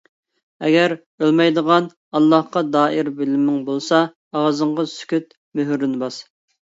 ئەگەر ئۆلمەيدىغان ئاللاھقا دائىر بىلىمىڭ بار بولسا، ئاغزىڭغا سۈكۈت مۆھۈرىنى باس.